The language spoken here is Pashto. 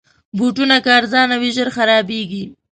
بوټونه که ارزانه وي، ژر خرابیږي.